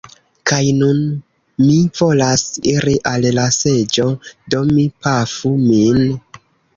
Kaj nun mi volas iri al la seĝo, do mi pafu min.